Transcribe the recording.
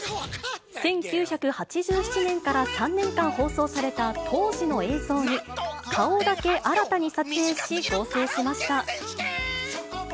１９８７年から３年間放送された当時の映像に、顔だけ新たに撮影し、合成しました。